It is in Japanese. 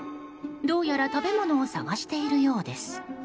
どうやら食べ物を探しているようです。